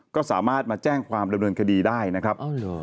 ก็สามารถมาแจ้งความดำเนินคดีได้นะครับ